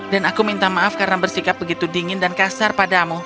dan aku minta maaf karena bersikap begitu dingin dan kasar padamu